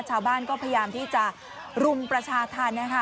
ชาวบ้านก็พยายามที่จะรุมประชาธรรมนะคะ